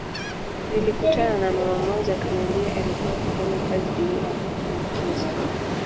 Nilikutana na mama mmoja akaniambia alikua akifanya kazi jumuiya ya afrika mashariki